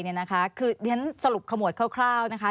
ที่ฉันสรุปขโมทคร่าวนะคะ